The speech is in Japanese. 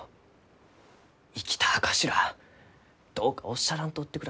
生きた証しらあどうかおっしゃらんとってください。